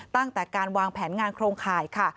ตั้งแต่การวางแผนงานโครงข่ายค่ะ